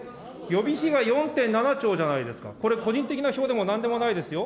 予備費が４．７兆じゃないですか、これ、個人的な表でもなんでもないですよ。